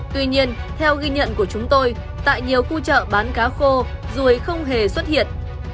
tuy nhiên theo ghi nhận của chúng tôi tại nhiều khu chợ bán cá khô ruồi không hề xuất hiện